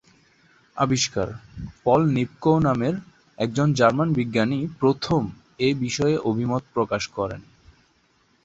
আবিষ্কার: Paul Nipkow নামের একজন জার্মান বিজ্ঞানী প্রথম এ বিষয়ে অভিমত প্রকাশ করেন।